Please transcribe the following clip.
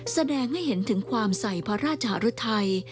แสดงให้เห็นถึงความใส่พระราชหรือไทย